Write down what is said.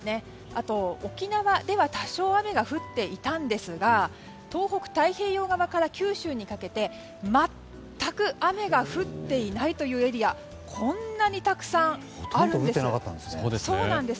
あとは沖縄では多少雨が降っていたんですが東北、太平洋側から九州にかけて全く雨が降っていないというエリアがこんなにたくさんあるんです。